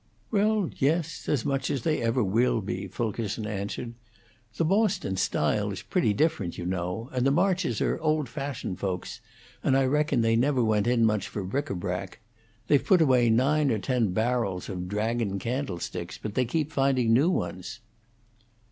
"Well, yes; as much as they ever will be," Fulkerson answered. "The Boston style is pretty different, you know; and the Marches are old fashioned folks, and I reckon they never went in much for bric a brac. They've put away nine or ten barrels of dragon candlesticks, but they keep finding new ones."